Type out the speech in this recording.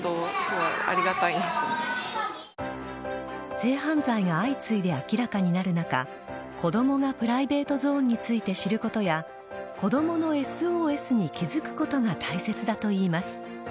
性犯罪が相次いで明らかになる中子供がプライベートゾーンについて知ることや子供のＳＯＳに気付くことが大切だといいます。